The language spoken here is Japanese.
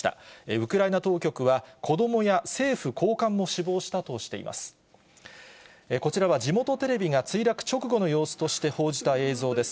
ウクライナ当局は、子どもや政府高官も死亡したとしています。